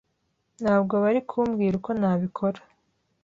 Ntabwo bari kumbwira uko nabikora.